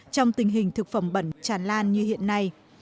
trong tình hình thực phẩm bẩn tràn lan như hiện nay